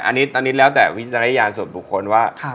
อันนี้แล้วแต่วิจารณญาณส่วนบุคคลว่า